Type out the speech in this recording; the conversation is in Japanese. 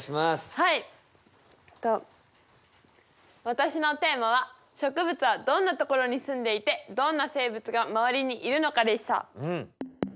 私のテーマは「植物はどんなところに住んでいてどんな生物が周りにいるのか」でした。